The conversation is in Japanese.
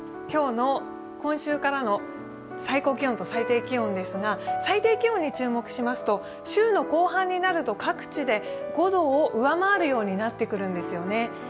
今週からの最高気温と最低気温ですが最低気温に注目しますと、週の後半になると、各地で５度を上回るようになってくるんですよね。